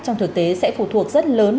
trong thực tế sẽ phụ thuộc rất lớn